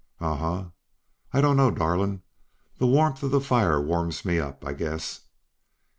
"Uh huh. I don't know, darling ... the warmth of the fire warms me up, I guess."